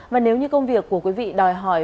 và nếu như công việc của quý vị đòi hỏi